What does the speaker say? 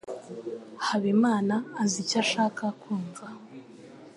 Habimana azi icyo ashaka kumva